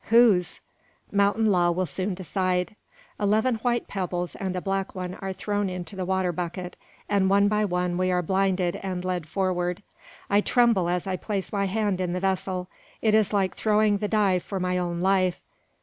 Whose? Mountain law will soon decide. Eleven white pebbles and a black one are thrown into the water bucket, and one by one we are blinded and led forward. I tremble as I place my hand in the vessel. It is like throwing the die for my own life.